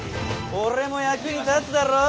俺も役に立つだろう。